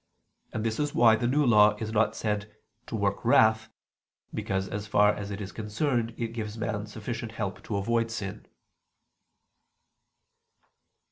And this is why the New Law is not said to "work wrath": because as far as it is concerned it gives man sufficient help to avoid sin.